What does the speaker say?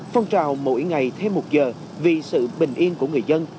phong trào mỗi ngày thêm một giờ vì sự bình yên của người dân